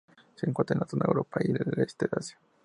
Se encuentra en la zona Europa y el Este de Asia.